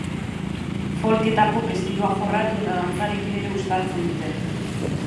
Folk eta pop estiloak jorratu eta dantzarekin ere uztartzen dute.